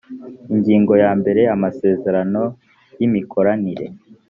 ingingo ya mbere amasezerano y imikoranire